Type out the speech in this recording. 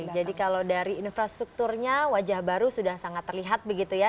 jadi kalau dari infrastrukturnya wajah baru sudah sangat terlihat begitu ya